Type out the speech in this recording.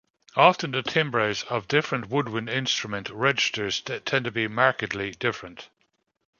Often the timbres of different woodwind instrument registers tend to be markedly different.